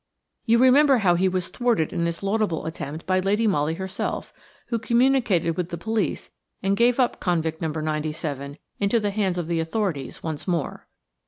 You remember how he was thwarted in this laudable attempt by Lady Molly herself, who communicated with the police and gave up convict No. 97 into the hands of the authorities once more.